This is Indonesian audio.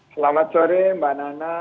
selamat sore mbak nana